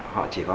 họ chỉ có